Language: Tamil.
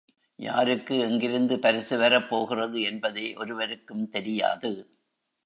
யாருக்கு எங்கிருந்து பரிசு வரப் போகிறது என்பதே ஒருவருக்கும் தெரியாது.